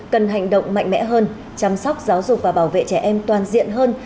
cần hành động mạnh mẽ hơn chăm sóc giáo dục và bảo vệ trẻ em toàn diện hơn